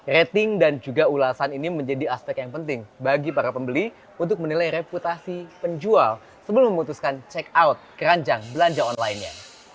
rating dan juga ulasan ini menjadi aspek yang penting bagi para pembeli untuk menilai reputasi penjual sebelum memutuskan check out keranjang belanja online nya